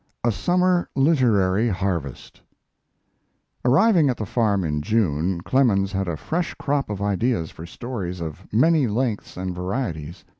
A SUMMER LITERARY HARVEST Arriving at the farm in June, Clemens had a fresh crop of ideas for stories of many lengths and varieties.